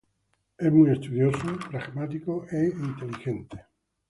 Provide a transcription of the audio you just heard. Es muy estudioso, pragmático e inteligente.